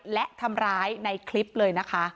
และทำร้ายในคลิปเลยนะคะ